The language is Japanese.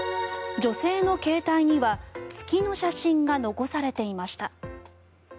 女性の携帯には月の写真が残されていました。